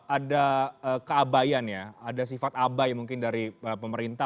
ada keabayan ya ada sifat abai mungkin dari pemerintah